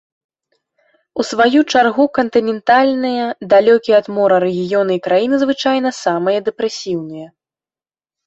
У сваю чаргу кантынентальныя, далёкія ад мора рэгіёны і краіны звычайна самыя дэпрэсіўныя.